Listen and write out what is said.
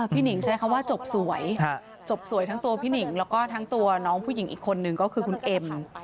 หนิงใช้คำว่าจบสวยจบสวยทั้งตัวพี่หนิงแล้วก็ทั้งตัวน้องผู้หญิงอีกคนนึงก็คือคุณเอ็ม